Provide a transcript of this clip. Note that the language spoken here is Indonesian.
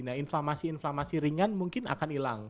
nah inflamasi inflamasi ringan mungkin akan hilang